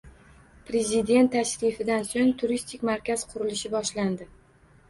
Prezident tashrifidan so‘ng turistik markaz qurilishi boshlandi